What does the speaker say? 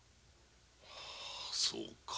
はあそうか。